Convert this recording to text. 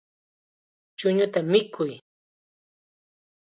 Chuñuta mikuy.